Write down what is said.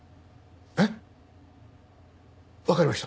えっ？わかりました。